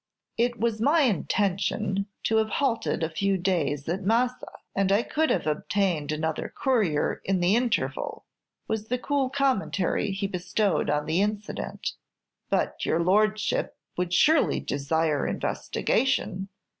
"It was my intention to have halted a few days at Massa, and I could have obtained another courier in the interval," was the cool commentary he bestowed on the incident. "But your Lordship would surely desire investigation.